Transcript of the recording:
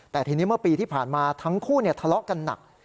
แต่ทีนี้เมื่อปีที่ผ่านมาทั้งคู่ทะเลาะกันหนัก